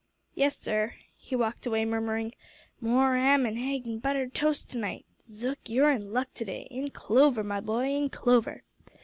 "Yes, sir." He walked away murmuring, "More 'am and hegg an' buttered toast to night! Zook, you're in luck to day in clover, my boy! in clover!"